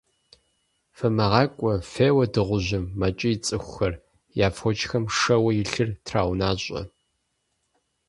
- ФымыгъакӀуэ, феуэ дыгъужьым! - мэкӀий цӀыхухэр, я фочхэм шэуэ илъыр траунащӀэ.